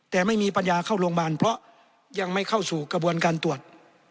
แต่ไม่มีปัญญาเข้าโรงพยาบาลเพราะยังไม่เข้าสู่กระบวนการตรวจ